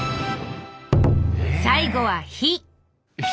最後は「日」。